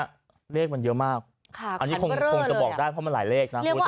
เลขมันเยอะมากอันนี้คงจะบอกได้เพราะมันหลายเลขนะคุณผู้ชม